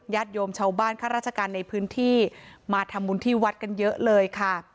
โยมชาวบ้านข้าราชการในพื้นที่มาทำบุญที่วัดกันเยอะเลยค่ะ